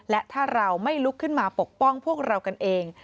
และถ้าเราไม่ลุกขึ้นมาปกป้องพวกเรากันเอง